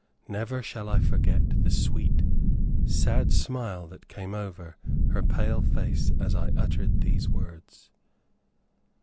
Never shall I forget the sweet, sad smile that came over her pale face as I uttered these words.